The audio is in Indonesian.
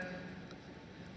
diberikan keputusan keputusan mpr